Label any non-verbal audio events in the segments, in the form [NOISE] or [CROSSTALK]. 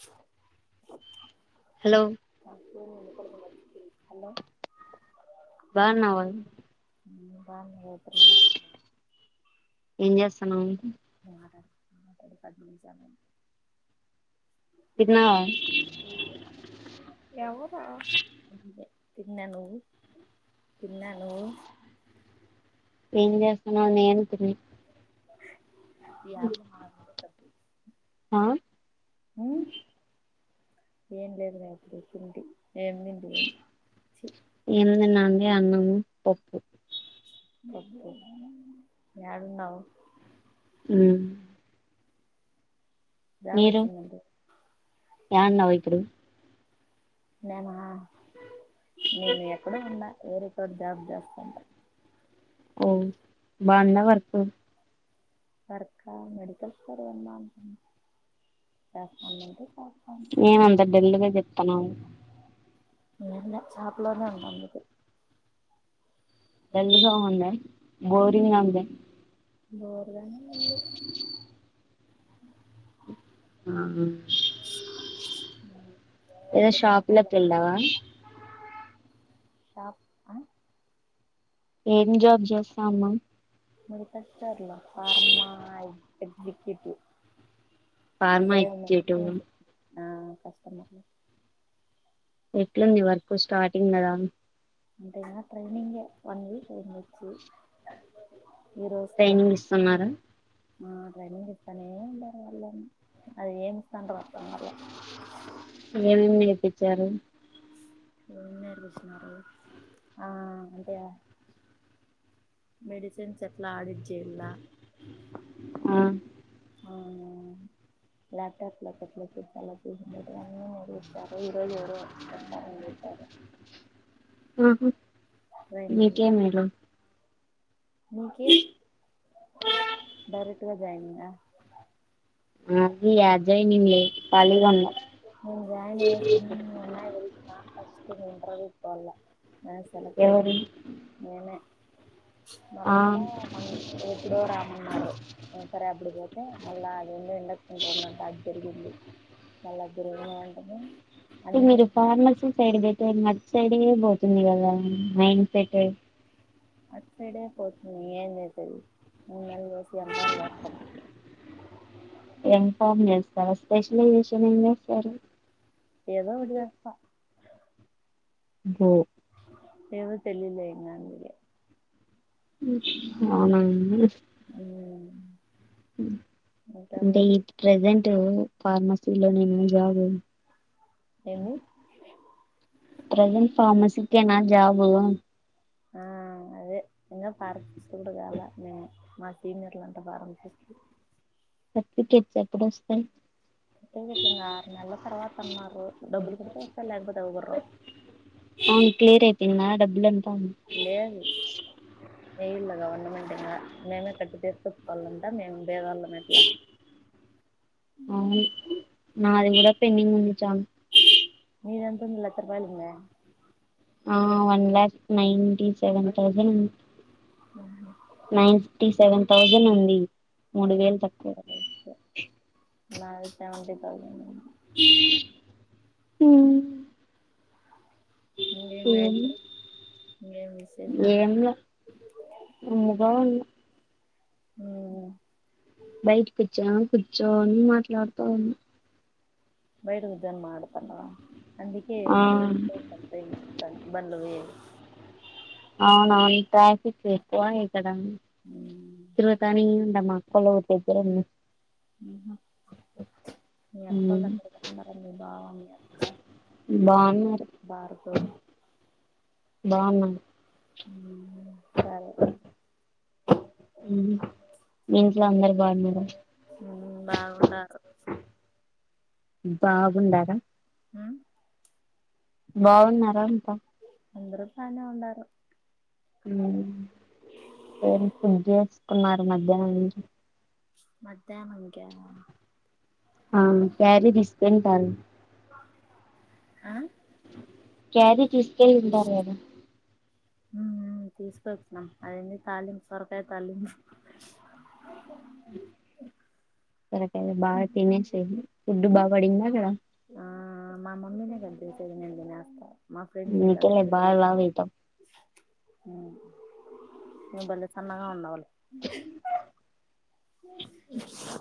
తకు hello hello బాగున్నావా మ బా వదు్ర ఏం చేస్తాన్నా తెలి ప తిన్నావా ఎవ తిన్నానువ్వు ఏం చేస్తాన నేనుతిన్నా ారు మన తప్ప ఆ అ ఏం లేదు నాప్పుడుకిింది ఏం తింటివి ని అన్నము పప్పు యాడున్నావు మ్ జాబ్ మీరు వచ్చిందంట యాడున్నావిప్పుడు నేనా నేను ఎక్కడో ఉన్నా వేరే జాబ్ చేస్తాండా ఓ బావుందా వర్కు సరుక్కా మెడికల్ స్టోర్ కొందా [INAUDIBLE] ఏమంత డల్లుగా చెప్తానావ్ ఏం లా షాప్లోనే ఉండా అందుకు డల్ గా ఉందా బోరింగ్ గా ఉందా బో ఇలానే ఉంది ఆ మీ ఏ షాప్ లో అమ్మోళ్ళ పిల్లవా షాప్ ఆ ఏం జాబ్ చేస్తా అన్నా ముడిపెట్టార్లో ఫార్మా ఎగ్జిక్యూటివ్ ఫార్మా అంటే ఎగ్జిక్యూటివ్ మెడిసిన్స్ ఆ కష్టమర్ లు ఎట్లుంది వర్క్ స్టార్టింగ్ గదా మ్ అంటేనా ట్రెనింగ్గే వన్ వీక్ అయిందొచ్చి ట్రైనింగ్ ఇస్తున్నారా ఆ ట్రైనింగ్ ఇస్తానే ఉంటారు వాళ్ళని అదేం స్తాండ్రో అర్ధం కాలా టిచ్చారు ఇన్నరుకిచ్చినారు ఆ అంటే మెడిసిన్స్ ఎట్లా ఆడిట్ చెయ్యాల ఆ ల్యాప్టాప్ లోకెట్లెక్కిచ్చాల చూసినట్టుగాన్నీ చూస్తారు ఈ రోజెవరో వచ్చి చెప్తామని చెప్పారు ఆహ ట్రైనింగ్ నీకేం మీరు నీకే డైరెక్ ట్టుగా జాయినింగా అది అజయ్ నింలే ఖాళీగన్న నేను కష్టం ఇంటర్యూకు పోలా ఆ సెలెక్ట్ అయినం ఎవరు మేమె ఆ మళ్ళా ఎప్పుడో రామన్నారు సరే అప్పుడి పోతే మళ్ళా అది ఎందో ఎండకు. రోల్లంతా జరిగి మళ్ళా అద్దరంగా ఉంది ఇంగ్ మీరు ఫార్మసింగ్ సైడ్ పెడితే మన్ సైడే పోతుంది గదా మైండ్ సెట్ అటు సైడే పోతుంది ఏం చేసేది మూన్నాళ్ళు చేసి అబ్బా నరకం ఎం కామ్ ఎస్ ఆ స్పెషలైజేషన్ ఏం జేస్తారు ఏదో ఒకటిదేస్తా బ్బో ఏవో తెలిలేం ఇంగ అందుకె హు అవునా అండి ఉ ఉమ్ అంటే ఈ ప్రెజెంట్ ఫార్మసీలో నేను జాబు ఏంది ప్రజెంట్ ఫార్మసీకేనా జాబు ఆ అదే ఇంకా పరుస్తుండు కాలా నే మా సీనియర్లంతా బాగ పనుకుండ్రు సర్టిఫికేట్స్ ఎప్పుడొస్తాయి తీంగ తీంగా ఆరు నెలల తర్వాత అన్నారు డబ్బులు కడితే వత్తయ్ లేకపోతే అవి కూడా రావ్ తిన్న డబ్బులను లేదు ఏయల్ల గవర్నమెంట్ ఇంగ మేమే కట్ చేసుకోవాచు కోవాలంటా మే మె పేదోల్లం ఎట్లా అవును నాది కూడా పెండింగ్ ఉంది చానా మీదెంతుంది లక్ష రూపాయలు ఉందా ఆ one lakh ninety seven thousand ఆహ నైన్ ఫిఫ్టీ సెవెన్ థౌజండ్ ఉంది మూడు వేలు తక్కువ నాది సెవంటీ థౌసండ్ ఉన్ ఉమ్ ఇంకేం గాయత్రి ఇంకేం విశేషాలు ఏమి మ్మ్ బయట కుచ్చోన్ కుచ్చోని మాట్లాడతా ఉన్నా బయట కుచ్చోని మాటడతాండావా అందుకే ఆ ఏమో రోడ్సో సమ్థింగ్ బన్ బండ్లు పొయ్యేది అవునవున్ ట్రాఫిక్ ఎక్కువ ఇక్కడ తిరుగుతానే ఉండమా [UNINTELLIGIBLE] మ్మ్ హా మీ అక్కొల్లు అక్కడ [INAUDIBLE] మీ బావ మీ అక్క బాగున్నారు బార్గవ్ బాన్నాన్ మ్మ్ సరే మీ ఇంట్లో అందరు బాగున్నారా మ్మ్ బాగుండారు స బాగుండారా హ్మ్మ్ బావున్నారా అంత అందరు బానే ఉండారు మ్మ్ పేరుక్ ఫిట్ జేస్కున్నారు మధ్యాహ్నం నుంచి మద్ ఆ క్యారీ దీస్కుంటారు ఆ క్యారి తీసుకెళ్ళింద లేదా మ్మ్ మ్మ్ తీసుకొచ్చినాం అదేంది తాలిం సొరకాయ్ తాలిం అ సొరకాయ్ ఐతే బా తినేసేయండి ఫుడ్డు బాగడిగినావ్ గదా ఆ మా మమ్మీ నే గద్ జేసేది నేన్ దినేస్తా మా ఫ్రెండ్స్ [INAUDIBLE] అందుకేలే బాగా లావు అయితావ్ మ్మ్ నువ్ బలే సన్నగా వుండావ్లే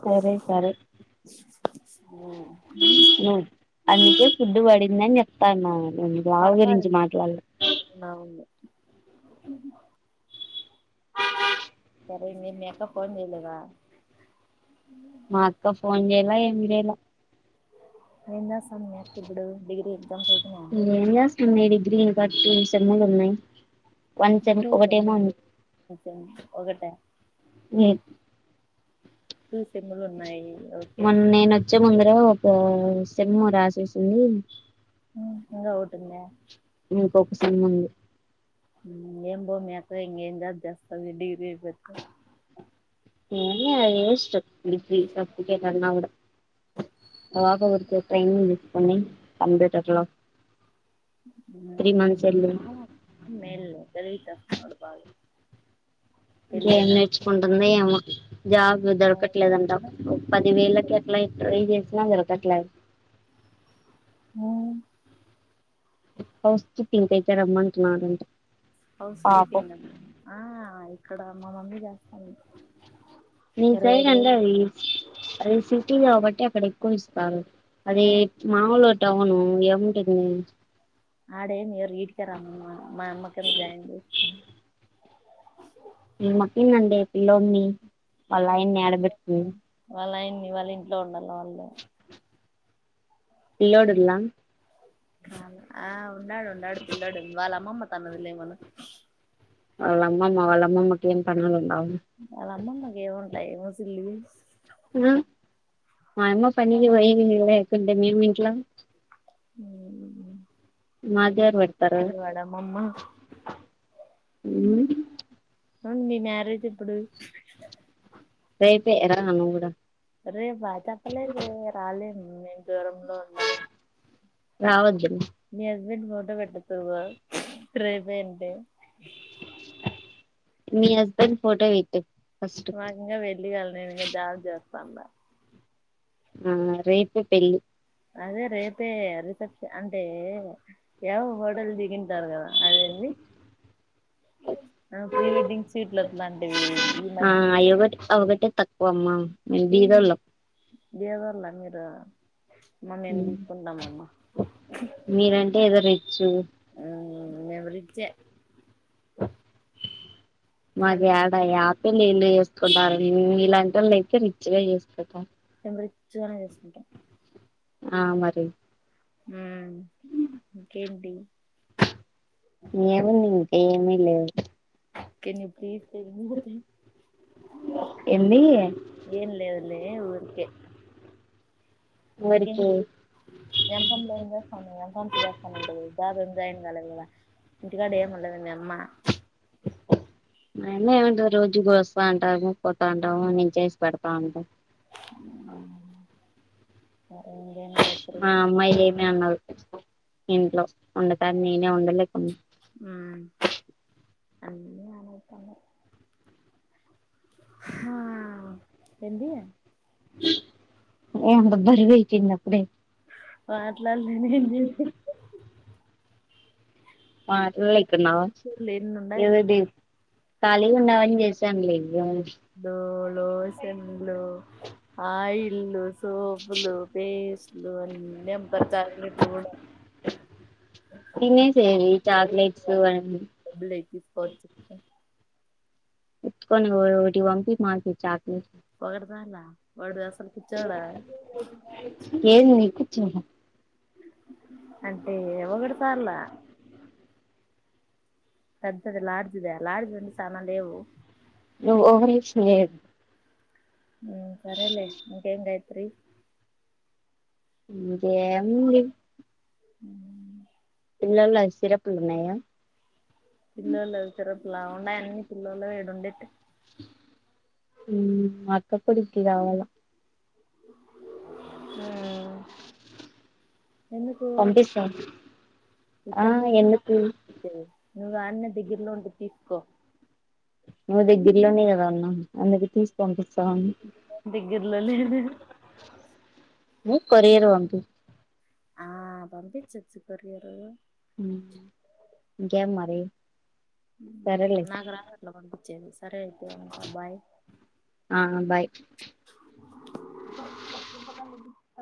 సరే సరే నువ్వు అందుకే ఫుడ్డు వడిందన్ చెప్తానా మ్మ్ రావు పడతాది గురించి మాట్లాడ్లే అవును సరే మీర్ మీ అక్క ఫోన్ జెయ్ లేదా మా అక్క ఫోన్ చెయ్లా ఏం జే లేేలా ఏం జేస్తాంది మీ అక్కిబ్బుడు డిగ్రీ ఎగ్జామ్స్ అయిపోయినాయా ఇంగెం జేస్తం మే డిగ్రీ తర్టీన్ సేమ్ములున్నాయ్ ఒకట ఓకే మొన్నేను వచ్చే ముందర ఒక సెమ్ము రాస్ చేసింది ఇంగ ఓటుంద్య ఇంకొక సెమ్ ఉంది ఊ ఏం బ్రో మీ అక్క ఇంగ ఏం జాబ్ చేస్తది డిగ్రీ అయిపోయినంక ఏంలే వేస్ట్ డిగ్రీ సర్టిఫికేట్ అన్నా కూడ మా పాప ఊరికే ట్రైనింగ్ కొన్ని కంప్యూటర్లో ఆమేలు తెలివితో [UNINTELLIGIBLE] బాగా ఇంక ఏం పెళ్ళైనాక నేర్చుకుంటుందో ఏమో జాబ్ దొరకట్లేదంట పదివేలకి ఎట్లా ట్రై చేసినా దొరకదు గట్లయ్ ఫస్టు ఇంకైతే రమ్మంటున్నాడుంట హౌస్ కీపింగ్ [UNINTELLIGIBLE] ఆ ఆ ఇక్కడ మా మమ్మీ చేస్తాను నీ సైడ్ అంటే అది అది సిటీ కాబట్టి అక్కడ ఎక్కువ ఇస్తుం సరే అదే మాములుగ టౌను ఏముంటది ఇంగ ఆడేం ఇయ్యారు ఎతికేరమ్మ మా అమ్మకు కాని జాయినింగ్ బ్రో ఇ మక్కన్ అండి పిల్లోన్ని వాళ్ళ ఆయని ఏడ పెట్టుకుని మీ వాళ్ళ ఇంట్లో ఉండాల వాళ్ళు పిల్లోడున్ల ఆ ఉండాడు ఉండాడు పిల్లోడు వాళ్ళ అమ్మమ్మ తన్నదిలే మన వాళ్ళ అమ్మమ్మ వాళ్ళ అమ్మమ్మకి ఏం పనులు ఉండావు వాళ్ల అమ్మమ్మకి ఏమి ఇంట్ దైవసి లీవ్స్ ఆ మా అమ్మ పన్నది వై ఎకుంట మూమట్లా ఉ మాకెవ్వరు పెడతారు ఊ అవును మీ మ్యారేజ్ ఎప్పుడు రేపే రా నువ్వు కూడ రే బాతప్పలే రాలేన్ మేం జ్వరంలో ఉండమ్ రావద్దండి దీనికి ఫోటో పెట్టు తవ్వ మీ హస్బెండ్ ఫోటో వెట్టు నాకి ఇంకా పెళ్ళి కాలె జాబ్ జేస్త తండ ఆ రేపే పెళ్లి అదే రేపే రిసెప్షన్ అంటే ఏవో హోటల్ దిగింటారు కదా అదేంది ప్రీ వెడ్డింగ్ షూట్లు అట్లాలాంటివి ఈ ఆ మధ్య అయొకటి అవొకటే తక్కువ అమ్మా మేము బీదోళ్ళం ఏ జేవర్ల మీరు అమ్మ మేము తీసుకుంటామమ్మ మీరంటే ఏదో రిచ్చు ఆ మేము రిచ్చే మాగి హలో ఆడా ఆపిల్ ఇల్ ఏందో ఎస్క్ ఉంటారు ని నీ నీలాంటోళ్లు అయితే రిచ్చ్ గా చేసుకుంటారు మేం రిచ్చుగానే చేసుకుంటాం ఆ మరి హుమ్ పిండి ఏముంది ఇంకే ఏమి లేదు కెన్ యు ప్లీజ్ ఏంది ఏం లేదులే ఏ ఊరికే ఇంకేం ఎవరికి ఎం పనులు ఏం చేస్తాన్నరు ఎంతెంత ఎస్తన్నారు జాబ్ ఏం జాయిన్ కాలేకదా ఇంటికాడ ఏం ఉండద మీ అమ్మ ఇస్తా మేమె ఏమంటే రోజు వస్తా ఉంటాము పోతాంటాము నేను చేసి పెడతా ఉంటాం ఇంకేం గాయత్రి మా అమ్మాయి ఏమీ అనదు ఇంట్లో వండుతాను నేనే వండలేకున్నా ఉమ్ అన్నీ ఆన్ అయితన్నయ్ ఏం దొబ్బరి రేయ్ చిన్నప్పుడే ఆ ట్లంటే నేం జేత్తు మాటలు లేక్కున్నావా ఎన్ని ఉన్నాయి తెల్ ఏది కాలిగ ఉన్నావని చేసాను లేయం ఆ ఇల్లు సోపులు పేస్ట్ ద నింత చాక్లెట్ ఇవ్వలే తినేసెయ్ చాక్లెట్సు అన్ని అబ్లేకిస్ పచ్చ చుకు ఎత్తుకొని [UNINTELLIGIBLE] ఒకటి పంపి మాకే చాకి పగడ చాల వడు అసలు కుచ్చోడ ఏంది నీకు అంటే ఓగడసాల తద్దద లాడ్దిద అ లాడ్ది ఆ అంటే చానా లేవ్ లో ఓవర్ మిషన్ లేద్ ఉ సరేలే ఇంకేం గాయత్రీ ఉ ఎం లే పిల్లొల్లవి సిరప్పులున్నాయ పిల్లొల్లవి సిరప్పుల ఉండాయి అన్ని పిల్లొలవే [UNINTELLIGIBLE] రొండేట్టు ఊ అక్క కొడుకు కావాల ఊ ఎందుకు పంపిస్తా ఆ ఇక్కడి నుంచి ఎందుకు నువ్వు అన్నే దగ్గరలో ఉంటే తీసుకో నువ్వు దగ్గిర్లోనే కదా ఉన్నావ్ అందుకు తీసి పంపిస్ దగ్గిర్లో లేదు ఉ కొరియర్ పంపి ఆ పంపించచు కొరియరూ ఇంకేం మరి సరేలే నాకు రావట్లా పంపించేది సరే అయితే ఉంట బాయ్ ఆ బాయ్